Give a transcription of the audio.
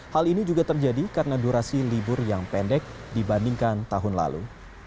hal ini juga terjadi karena durasi libur yang pendek dibandingkan tahun lalu